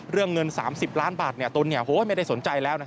เรื่องเงิน๓๐ล้านบาทตนไม่ได้สนใจแล้ว